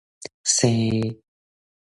生